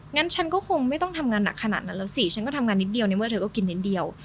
งั้นฉันก็คงไม่ต้องทำงานหนักขนาดนั้นแล้วสิฉันก็ทำงานนิดเดียวในเมื่อเธอก็กินนิดเดียว